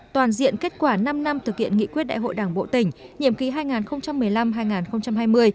toàn diện kết quả năm năm thực hiện nghị quyết đại hội đảng bộ tỉnh nhiệm ký hai nghìn một mươi năm hai nghìn hai mươi